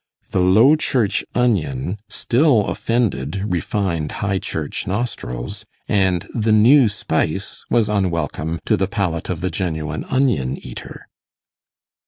The Low Church onion still offended refined High Church nostrils, and the new spice was unwelcome to the palate of the genuine onion eater.